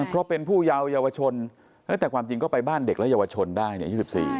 เพราะเป็นผู้เยาวเยาวชนแต่ความจริงก็ไปบ้านเด็กและเยาวชนได้เนี่ยอายุ๑๔